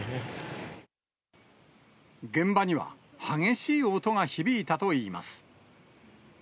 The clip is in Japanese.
現場には、激しい音が響いたといいます。